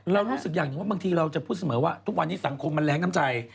รู้สึกอย่างหนึ่งว่าบางทีเราจะพูดเสมอว่าทุกวันนี้สังคมมันแรงน้ำใจ